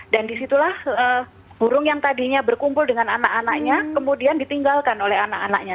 dan disitulah burung yang tadinya berkumpul dengan anak anaknya kemudian ditinggalkan oleh anak anaknya